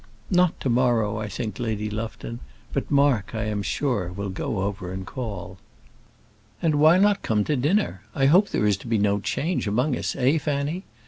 "Not to morrow, I think, Lady Lufton; but Mark, I am sure, will go over and call." "And why not come to dinner? I hope there is to be no change among us, eh, Fanny?"